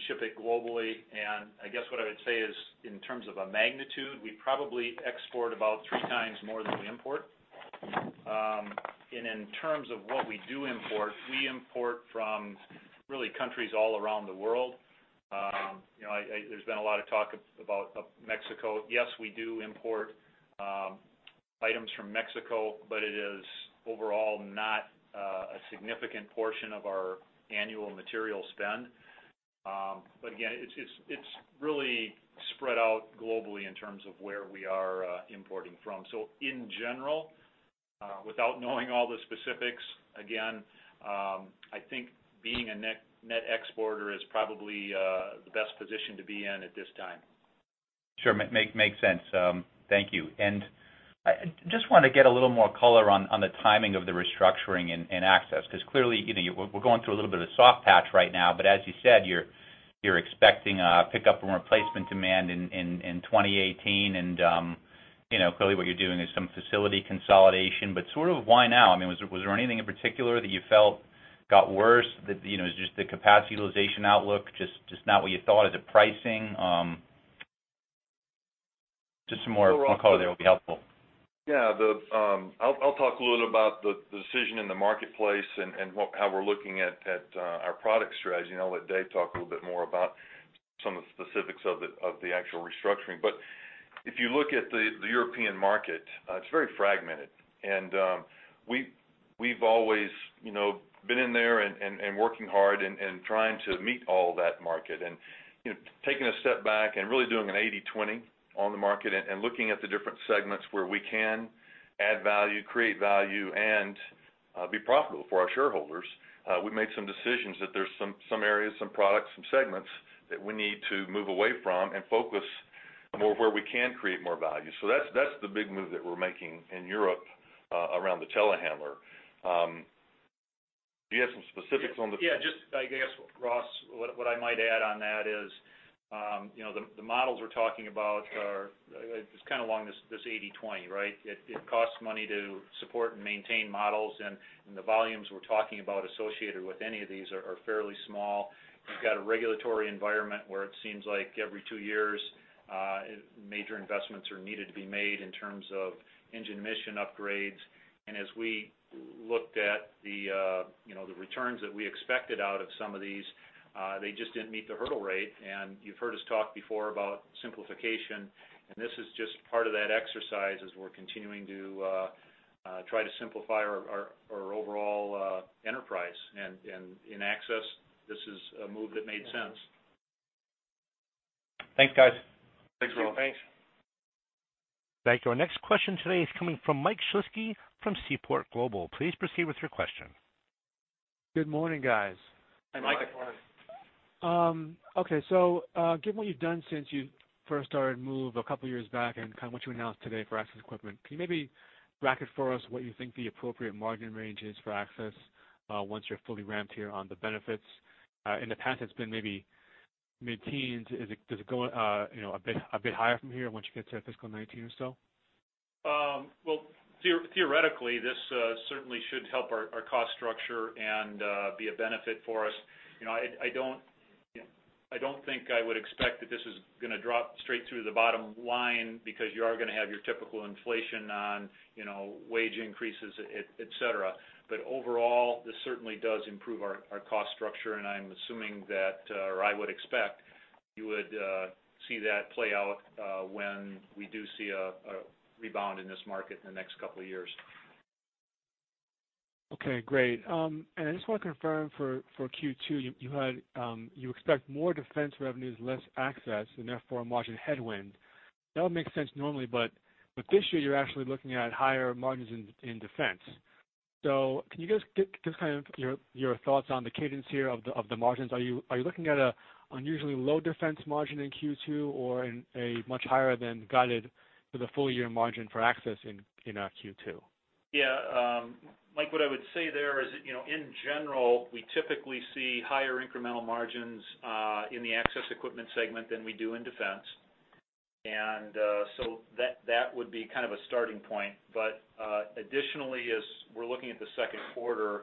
ship it globally. I guess what I would say is, in terms of a magnitude, we probably export about three times more than we import. In terms of what we do import, we import from countries all around the world. There's been a lot of talk about Mexico. Yes, we do import items from Mexico, but it is overall not a significant portion of our annual material spend. But again, it's really spread out globally in terms of where we are importing from. So, in general, without knowing all the specifics, again, I think being a net exporter is probably the best position to be in at this time. Sure. Makes sense. Thank you. I just want to get a little more color on the timing of the restructuring in Access because clearly, we're going through a little bit of a soft patch right now. As you said, you're expecting pickup and replacement demand in 2018. Clearly, what you're doing is some facility consolidation. Sort of why now? I mean, was there anything in particular that you felt got worse? Is it just the capacity utilization outlook, just not what you thought of the pricing? Just some more color there would be helpful. Yeah. I'll talk a little about the decision in the marketplace and how we're looking at our product strategy. I'll let Dave talk a little bit more about some of the specifics of the actual restructuring. If you look at the European market, it's very fragmented. We've always been in there and working hard and trying to meet all that market. Taking a step back and really doing an 80/20 on the market and looking at the different segments where we can add value, create value, and be profitable for our shareholders, we've made some decisions that there's some areas, some products, some segments that we need to move away from and focus more where we can create more value. So, that's the big move that we're making in Europe around the telehandler. Do you have some specifics on the? Yeah. Just I guess, Ross, what I might add on that is the models we're talking about are just kind of along this 80/20, right? It costs money to support and maintain models. The volumes we're talking about associated with any of these are fairly small. You've got a regulatory environment where it seems like every two years, major investments are needed to be made in terms of engine mission upgrades. And as we looked at the returns that we expected out of some of these, they just didn't meet the hurdle rate. And you've heard us talk before about simplification. And this is just part of that exercise as we're continuing to try to simplify our overall enterprise. And in access, this is a move that made sense. Thanks, guys. Thanks, Ross. Thanks. Thank you. Our next question today is coming from Mike Shlisky from Seaport Global. Please proceed with your question. Good morning, guys. Hi, Mike. Okay. So, given what you've done since you first started to move a couple of years back and kind of what you announced today for access equipment, can you maybe bracket for us what you think the appropriate margin range is for access once you're fully ramped here on the benefits? In the past, it's been maybe mid-teens. Does it go a bit higher from here once you get to fiscal 2019 or so? Well, theoretically, this certainly should help our cost structure and be a benefit for us. I don't think I would expect that this is going to drop straight through the bottom line because you are going to have your typical inflation on wage increases, etc. But overall, this certainly does improve our cost structure. I'm assuming that, or I would expect, you would see that play out when we do see a rebound in this market in the next couple of years. Okay. Great. I just want to confirm for Q2, you expect more Defense revenues, less access, and therefore a margin headwind. That would make sense normally. But this year, you're actually looking at higher margins in Defense. So, can you just give us kind of your thoughts on the cadence here of the margins? Are you looking at an unusually low Defense margin in Q2 or a much higher than guided for the full year margin for access in Q2? Yeah. Mike, what I would say there is, in general, we typically see higher incremental margins in the access equipment segment than we do in Defense. So, that would be kind of a starting point. But additionally, as we're looking at the second quarter,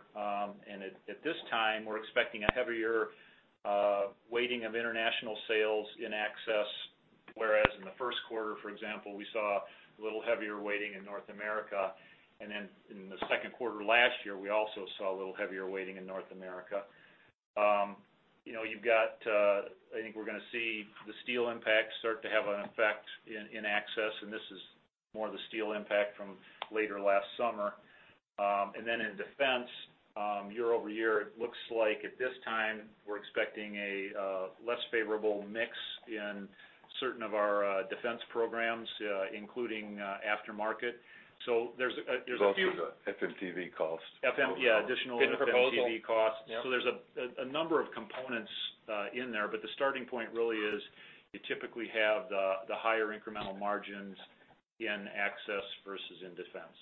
and at this time, we're expecting a heavier weighting of international sales in access, whereas in the first quarter, for example, we saw a little heavier weighting in North America. And then in the second quarter last year, we also saw a little heavier weighting in North America. You've got, I think we're going to see the steel impact start to have an effect in access. And this is more the steel impact from later last summer. And then in Defense, year-over-year, it looks like at this time, we're expecting a less favorable mix in certain of our Defense programs, including aftermarket. So, there's a few. FMTV cost. Yeah. Additional FMTV costs. So, there's a number of components in there. But the starting point really is you typically have the higher incremental margins in access versus in Defense.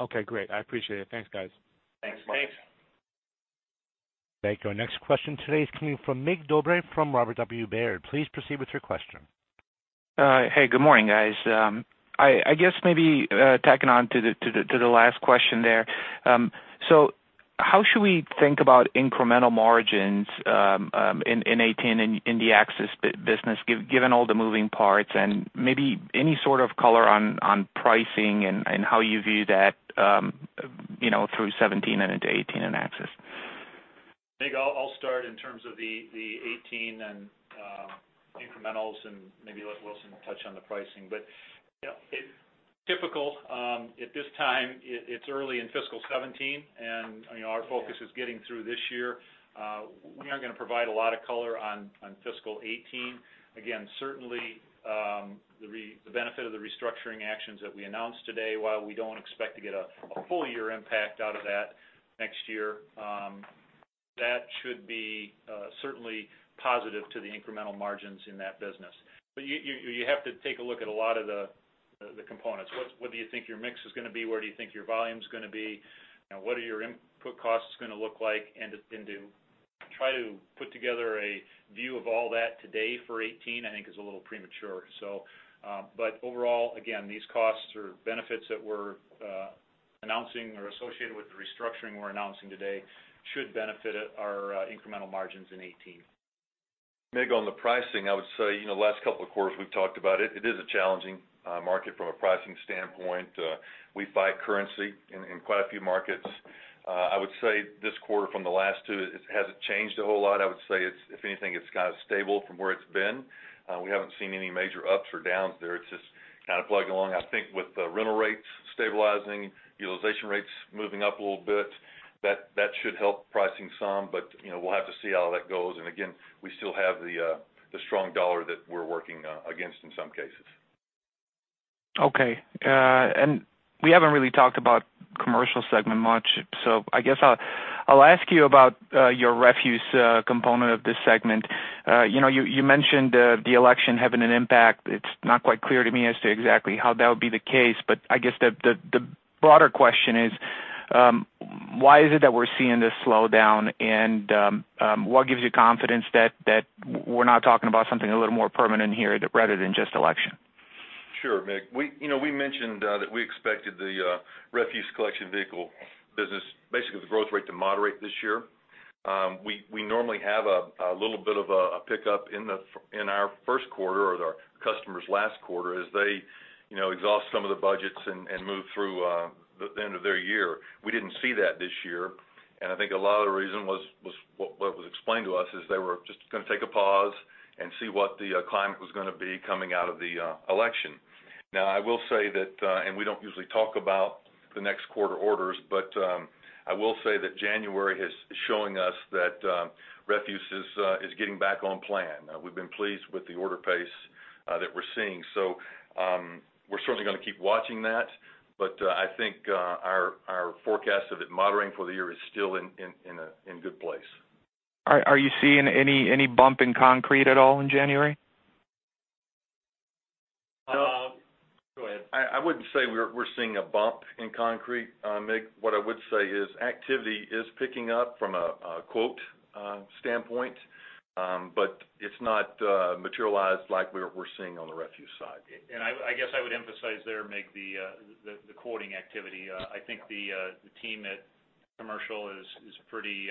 Okay. Great. I appreciate it. Thanks, guys. Thanks, Mike. Thanks. Thank you. Our next question today is coming from Mircea Dobre from Robert W. Baird. Please proceed with your question. Hey. Good morning, guys. I guess maybe tacking on to the last question there. So, how should we think about incremental margins in 2018 and in the access business, given all the moving parts and maybe any sort of color on pricing and how you view that through 2017 and into 2018 and access? Mike, I'll start in terms of the 2018 and incrementals and maybe let Wilson touch on the pricing. But typical, at this time, it's early in fiscal 2017, and our focus is getting through this year. We aren't going to provide a lot of color on fiscal 2018. Again, certainly, the benefit of the restructuring actions that we announced today, while we don't expect to get a full year impact out of that next year, that should be certainly positive to the incremental margins in that business. But you have to take a look at a lot of the components. What do you think your mix is going to be? Where do you think your volume is going to be? What are your input costs going to look like? And try to put together a view of all that today for 2018, I think, is a little premature. But overall, again, these costs or benefits that we're announcing or associated with the restructuring we're announcing today should benefit our incremental margins in 2018. Mircea, on the pricing, I would say last couple of quarters we've talked about it. It is a challenging market from a pricing standpoint. We face currency in quite a few markets. I would say this quarter from the last two, it hasn't changed a whole lot. I would say, if anything, it's kind of stable from where it's been. We haven't seen any major ups or downs there. It's just kind of plugging along. I think with the rental rates stabilizing, utilization rates moving up a little bit, that should help pricing some. But we'll have to see how that goes. And again, we still have the strong dollar that we're working against in some cases. Okay. And we haven't really talked about the Commercial segment much. So, I guess I'll ask you about your refuse component of this segment. You mentioned the election having an impact. It's not quite clear to me as to exactly how that would be the case. But I guess the broader question is, why is it that we're seeing this slowdown? And what gives you confidence that we're not talking about something a little more permanent here rather than just election? Sure, Mircea. We mentioned that we expected the refuse collection vehicle business, basically the growth rate to moderate this year. We normally have a little bit of a pickup in our first quarter or our customers' last quarter as they exhaust some of the budgets and move through the end of their year. We didn't see that this year. And I think a lot of the reason was what was explained to us is they were just going to take a pause and see what the climate was going to be coming out of the election. Now, I will say that, and we don't usually talk about the next quarter orders, but I will say that January is showing us that refuse is getting back on plan. We've been pleased with the order pace that we're seeing. So, we're certainly going to keep watching that. But I think our forecast of it moderating for the year is still in good place. Are you seeing any bump in concrete at all in January? Go ahead. I wouldn't say we're seeing a bump in concrete, Mircea. What I would say is activity is picking up from a quote standpoint, but it's not materialized like we're seeing on the refuse side. And I guess I would emphasize there, Mircea, the quoting activity. I think the team at Commercial is pretty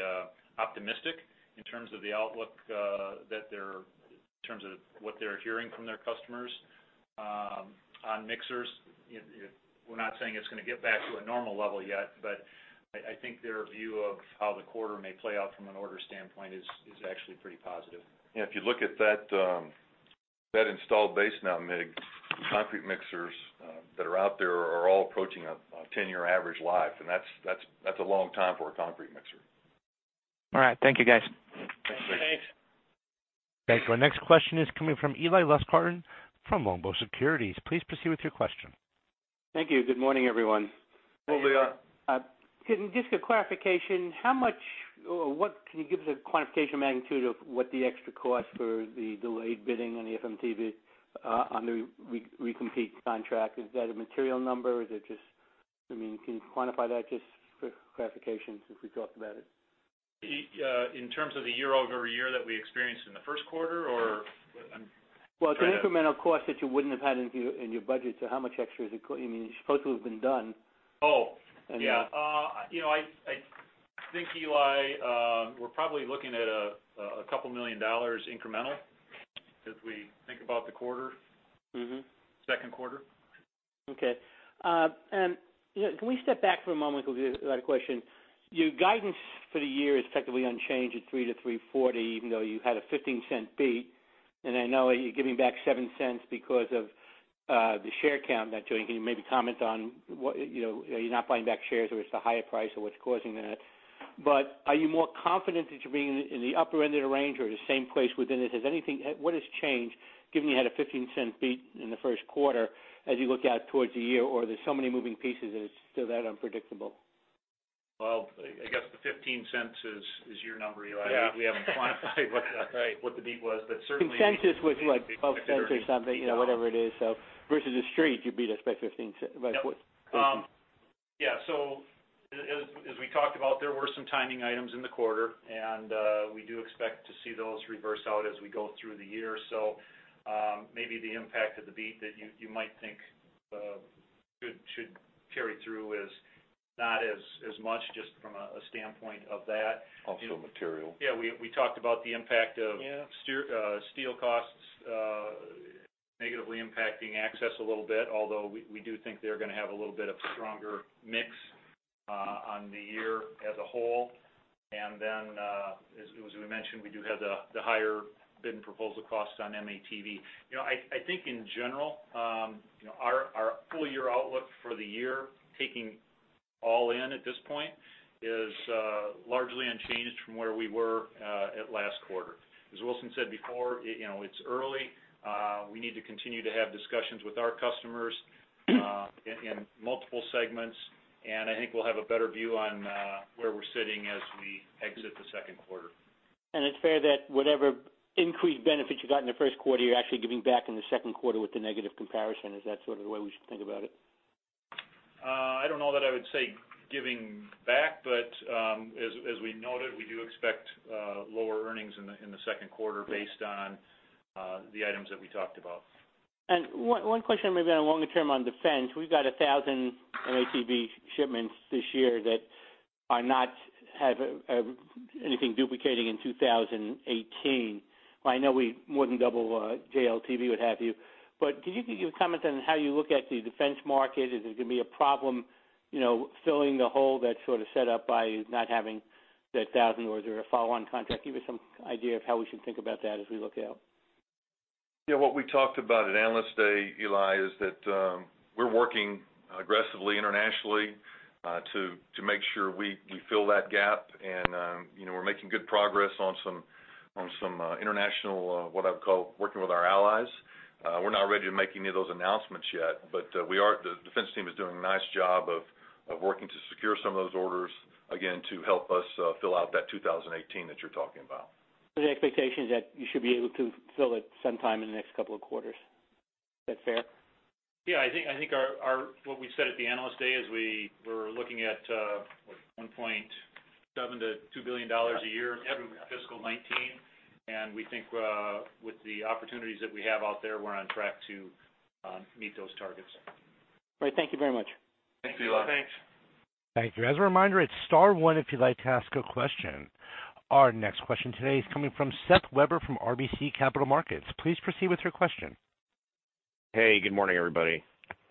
optimistic in terms of the outlook that they're in terms of what they're hearing from their customers on mixers. We're not saying it's going to get back to a normal level yet, but I think their view of how the quarter may play out from an order standpoint is actually pretty positive. Yeah. If you look at that installed base now, Mircea, concrete mixers that are out there are all approaching a 10-year average life. And that's a long time for a concrete mixer. All right. Thank you, guys. Thanks, Mircea. Thanks. Thanks. Our next question is coming from Eli Lustgarten from Longbow Securities. Please proceed with your question. Thank you. Good morning, everyone. Hi, Eli. Just a clarification. How much or what can you give us a quantification magnitude of what the extra cost for the delayed bidding on the FMTV on the recompete contract? Is that a material number? Is it just? I mean, can you quantify that just for clarification since we talked about it? In terms of the year-over-year that we experienced in the first quarter, or? Well, it's an incremental cost that you wouldn't have had in your budget. So how much extra is it? I mean, it's supposed to have been done. Oh, yeah. I think Eli, we're probably looking at $2 million incremental as we think about the quarter, second quarter. Okay. And can we step back for a moment because we've got a question? Your guidance for the year is effectively unchanged at $3.00-$3.40, even though you had a $0.15 beat. And I know you're giving back $0.07 because of the share count that you're doing. Can you maybe comment on what you're not buying back shares or it's the higher price or what's causing that? But are you more confident that you're being in the upper-ended range or the same place within it? What has changed, given you had a $0.15 beat in the first quarter as you look out towards the year, or are there so many moving pieces that it's still that unpredictable? Well, I guess the $0.15 is your number, Eli. We haven't quantified what the beat was. But certainly. $0.10 was what? $0.12 or something, whatever it is. So, versus the street, you beat us by $0.15. Yeah. So, as we talked about, there were some timing items in the quarter, and we do expect to see those reverse out as we go through the year. So, maybe the impact of the beat that you might think should carry through is not as much just from a standpoint of that. Also material. Yeah. We talked about the impact of steel costs negatively impacting access a little bit, although we do think they're going to have a little bit of a stronger mix on the year as a whole. And then, as we mentioned, we do have the higher bid and proposal costs on M-ATV. I think in general, our full year outlook for the year, taking all in at this point, is largely unchanged from where we were at last quarter. As Wilson said before, it's early. We need to continue to have discussions with our customers in multiple segments. And I think we'll have a better view on where we're sitting as we exit the second quarter. And it's fair that whatever increased benefits you got in the first quarter, you're actually giving back in the second quarter with the negative comparison. Is that sort of the way we should think about it? I don't know that I would say giving back, but as we noted, we do expect lower earnings in the second quarter based on the items that we talked about. One question maybe on a longer term on Defense. We've got 1,000 M-ATV shipments this year that are not have anything duplicating in 2018. Well, I know we more than double JLTV, what have you. But can you give a comment on how you look at the Defense market? Is it going to be a problem filling the hole that's sort of set up by not having that 1,000 or the follow-on contract? Give us some idea of how we should think about that as we look out. Yeah. What we talked about at analyst day, Eli, is that we're working aggressively internationally to make sure we fill that gap. We're making good progress on some international, what I would call, working with our allies. We're not ready to make any of those announcements yet, but the Defense team is doing a nice job of working to secure some of those orders, again, to help us fill out that 2018 that you're talking about. The expectation is that you should be able to fill it sometime in the next couple of quarters. Is that fair? Yeah. I think what we said at the analyst day is we were looking at $1.7 billion-$2 billion a year through fiscal 2019. We think with the opportunities that we have out there, we're on track to meet those targets. All right. Thank you very much. Thanks, Eli. Thanks. Thank you. As a reminder, it's star one if you'd like to ask a question. Our next question today is coming from Seth Weber from RBC Capital Markets. Please proceed with your question. Hey. Good morning, everybody.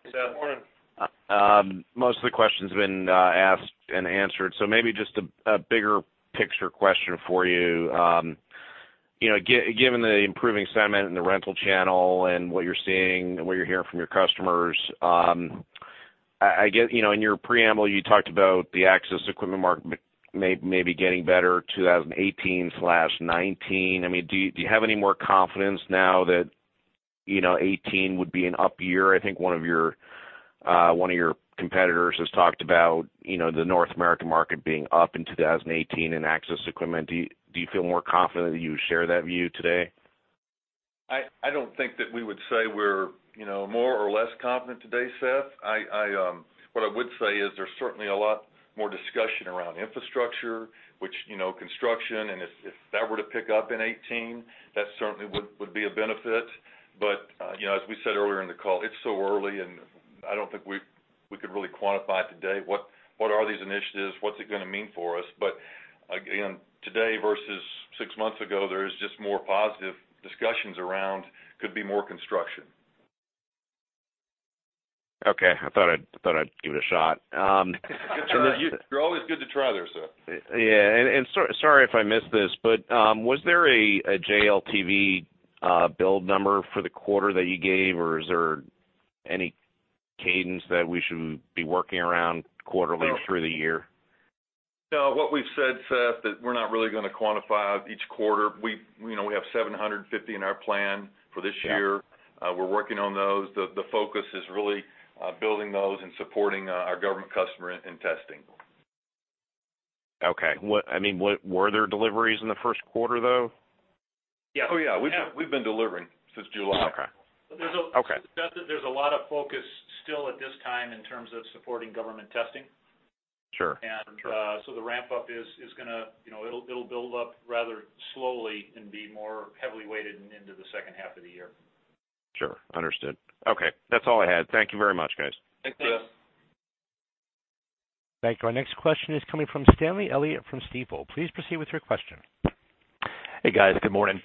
Good morning. Most of the questions have been asked and answered. So, maybe just a bigger picture question for you. Given the improving sentiment in the rental channel and what you're seeing and what you're hearing from your customers, I guess in your preamble, you talked about the access equipment market maybe getting better 2018/2019. I mean, do you have any more confidence now that 2018 would be an up year? I think one of your competitors has talked about the North American market being up in 2018 in access equipment. Do you feel more confident that you share that view today? I don't think that we would say we're more or less confident today, Seth. What I would say is there's certainly a lot more discussion around infrastructure, which construction. And if that were to pick up in 2018, that certainly would be a benefit. But as we said earlier in the call, it's so early, and I don't think we could really quantify today what are these initiatives, what's it going to mean for us. But again, today versus six months ago, there is just more positive discussions around could be more construction. Okay. I thought I'd give it a shot. Good try. You're always good to try there, Seth. Yeah. And sorry if I missed this, but was there a JLTV build number for the quarter that you gave, or is there any cadence that we should be working around quarterly through the year? No. What we've said, Seth, that we're not really going to quantify each quarter. We have 750 in our plan for this year. We're working on those. The focus is really building those and supporting our government customer in testing. Okay. I mean, were there deliveries in the first quarter, though? Yeah. Oh, yeah. We've been delivering since July. Okay. There's a lot of focus still at this time in terms of supporting government testing. And so the ramp-up is going to it'll build up rather slowly and be more heavily weighted into the second half of the year. Sure. Understood. Okay. That's all I had. Thank you very much, guys. Thanks, guys. Thanks. Our next question is coming from Stanley Elliott from Stifel. Please proceed with your question. Hey, guys. Good morning.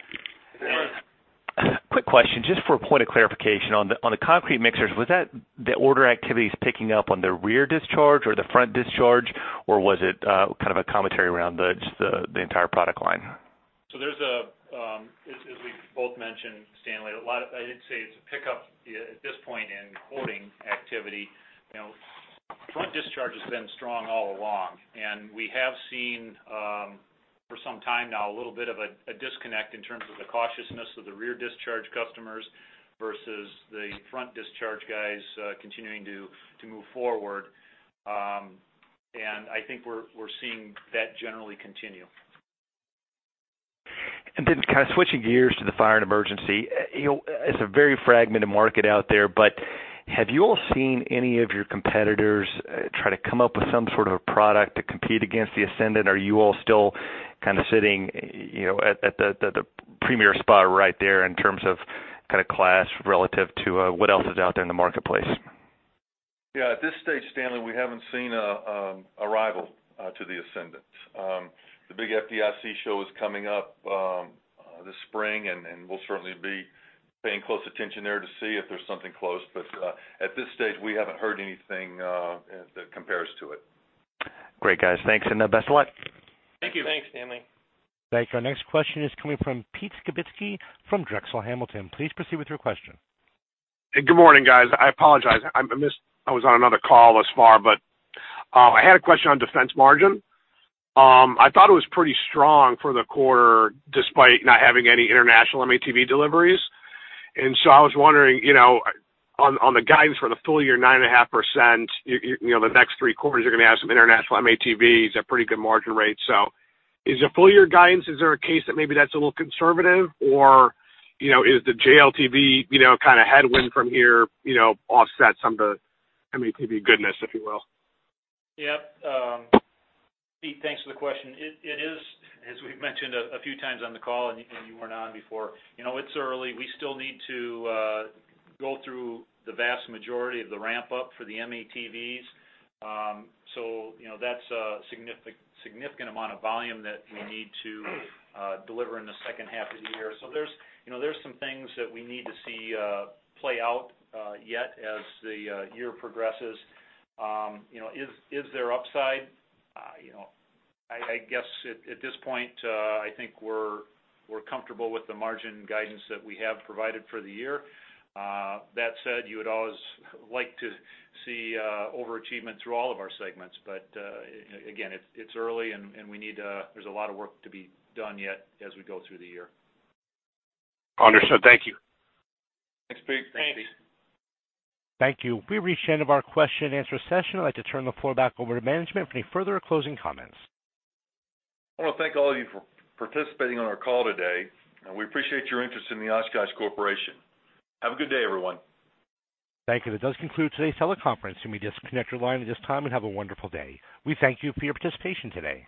Quick question, just for a point of clarification. On the concrete mixers, was that the order activity is picking up on the rear discharge or the front discharge, or was it kind of a commentary around just the entire product line? So, there's as we both mentioned, Stanley, a lot. I didn't say it's a pickup at this point in quoting activity. Front discharge has been strong all along. We have seen for some time now a little bit of a disconnect in terms of the cautiousness of the rear discharge customers versus the front discharge guys continuing to move forward. I think we're seeing that generally continue. And then kind of switching gears to the fire and emergency, it's a very fragmented market out there, but have you all seen any of your competitors try to come up with some sort of a product to compete against the Ascendant, or are you all still kind of sitting at the premier spot right there in terms of kind of class relative to what else is out there in the marketplace? Yeah. At this stage, Stanley, we haven't seen a rival to the Ascendant. The big FDIC show is coming up this spring, and we'll certainly be paying close attention there to see if there's something close. But at this stage, we haven't heard anything that compares to it. Great, guys. Thanks. And best of luck. Thank you. Thanks, Stanley. Thanks. Our next question is coming from Peter Skibitski from Drexel Hamilton. Please proceed with your question. Hey. Good morning, guys. I apologize. I was on another call thus far, but I had a question on Defense margin. I thought it was pretty strong for the quarter despite not having any international M-ATV deliveries. And so, I was wondering, on the guidance for the full year, 9.5%, the next three quarters, you're going to have some international M-ATVs at pretty good margin rates. So, is the full year guidance, is there a case that maybe that's a little conservative, or is the JLTV kind of headwind from here offset some of the M-ATV goodness, if you will? Yep. Pete, thanks for the question. It is, as we've mentioned a few times on the call, and you weren't on before. It's early. We still need to go through the vast majority of the ramp-up for the M-ATVs. So, that's a significant amount of volume that we need to deliver in the second half of the year. So, there's some things that we need to see play out yet as the year progresses. Is there upside? I guess at this point, I think we're comfortable with the margin guidance that we have provided for the year. That said, you would always like to see overachievement through all of our segments. But again, it's early, and we need to, there's a lot of work to be done yet as we go through the year. Understood. Thank you. Thanks, Pete. Thanks, Pete. Thank you. We reached the end of our question-and-answer session. I'd like to turn the floor back over to management for any further or closing comments. I want to thank all of you for participating on our call today. We appreciate your interest in the Oshkosh Corporation. Have a good day, everyone. Thank you. That does conclude today's teleconference. You may disconnect your line at this time and have a wonderful day. We thank you for your participation today.